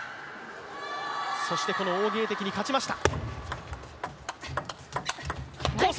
そして、この王ゲイ迪に勝ちました